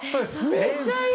めっちゃいい！